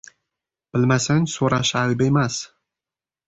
• Bilmasang, so‘rash ayb emas.